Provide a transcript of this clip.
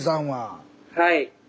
はい。